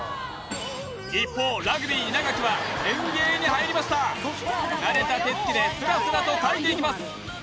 一方ラグビー稲垣はペン芸に入りました慣れた手つきでスラスラと描いていきます